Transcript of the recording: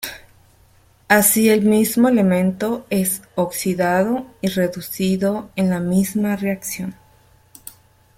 Así el mismo elemento es oxidado y reducido en la misma reacción.